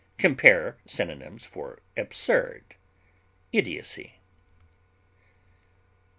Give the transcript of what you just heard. Compare synonyms for ABSURD; IDIOCY.